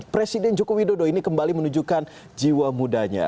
presiden jokowi dodo ini kembali menunjukkan jiwa mudanya